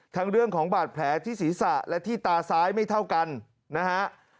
เรื่องของบาดแผลที่ศีรษะและที่ตาซ้ายไม่เท่ากันนะฮะ